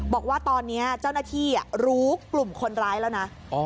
บอกว่าตอนนี้เจ้าหน้าที่รู้กลุ่มคนร้ายแล้วนะ